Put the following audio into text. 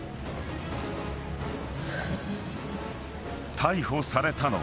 ［逮捕されたのは］